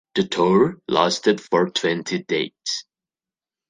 The toured lasted for twenty dates.